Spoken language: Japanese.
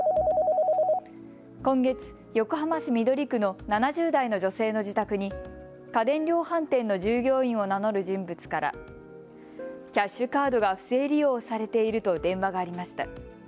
今月、横浜市緑区の７０代の女性の自宅に家電量販店の従業員を名乗る人物からキャッシュカードが不正利用されていると電話がありました。